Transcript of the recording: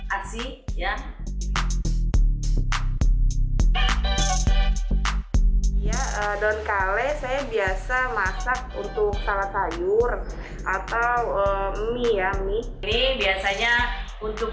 aksi ya ya adon kale saya biasa masak untuk salad sayur atau mie ya ini biasanya untuk